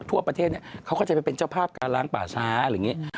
ทั่วประเทศเนี่ยเขาก็จะไปเป็นเจ้าภาพการล้างป่าช้าอะไรอย่างนี้